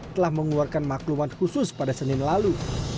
telah mengeluarkan maklumat khusus pada senin lalu